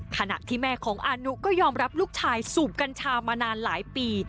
ขณะที่แม่ของอานุก็ยอมรับลูกชายสูบกัญชามานานหลายปี